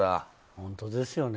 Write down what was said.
本当ですよね。